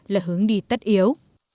là hướng đi tất yếu